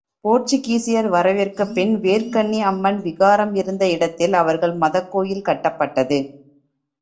போர்ச்சுக்கீசியர் வரவிற்குப் பின் வேற்கண்ணி அம்மன் விகாரம் இருந்த இடத்தில் அவர்கள் மதக்கோவில் கட்டப்பட்டது.